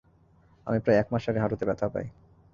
আমি প্রায় এক মাস আগে হাঁটুতে ব্যথা পাই।